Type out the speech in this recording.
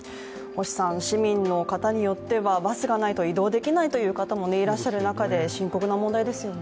市民の方によっては、バスがないと移動できないという方もいらっしゃる中で深刻な問題ですよね。